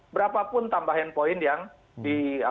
berapapun tambahan poinnya